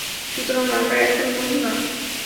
সুতরাং আমরা এখনও বন্ধু, না।